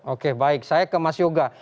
oke baik saya ke mas yoga